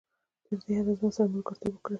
تر دې حده زما سره ملګرتوب وکړي.